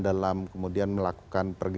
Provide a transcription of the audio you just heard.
dalam kemudian melakukan